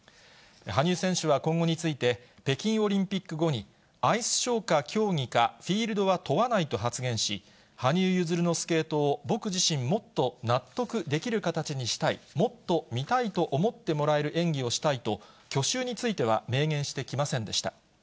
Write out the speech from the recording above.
羽生選手は今後について、北京オリンピック後にアイスショーか競技か、フィールドは問わないと発言し、羽生結弦のスケートを僕自身もっと納得できる形にしたい、もっと見たいと思ってもらえる演技をしたいと、去就については明言してきませんでした。